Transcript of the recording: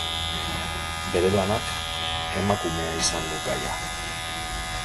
Bere lanak emakumea izan du gaia.